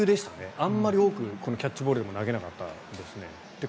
あまり多くキャッチボールでも投げなかったですね。